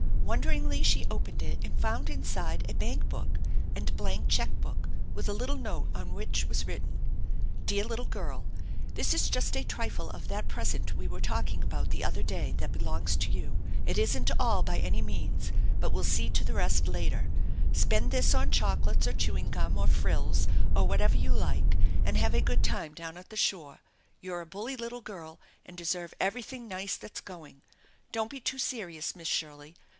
Wonderingly she opened it and found inside a bank book and blank check book with a little note on whicb was written: 234 THE ENCHANTED BARN DEAB LITTLE GIBL: This is just a trifle of that present we were talking about the other day that belongs to you. It isn't all by any means, but we'll pee to the rest later. Spend this on chocolates or chewing gum or frills or whatever you like and have a good time down at the shore. You're a bully little girl and deserve everything nice that's going. Don't be too serious, Miss Shirley.